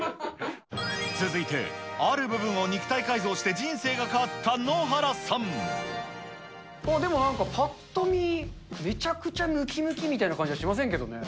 続いてある部分を肉体改造しでもなんかぱっと見、めちゃくちゃむきむきみたいな感じはしませんけどね。